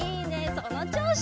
そのちょうし。